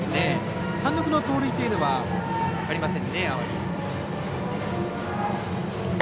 単独の盗塁というのはありません。